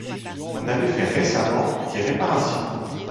On avait fait récemment des réparations.